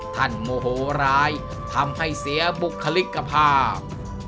โมโหร้ายทำให้เสียบุคลิกภาพ